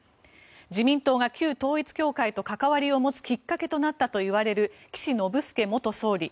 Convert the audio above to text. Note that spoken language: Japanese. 自民党が旧統一教会と関わりを持つきっかけとなったといわれる岸信介元総理。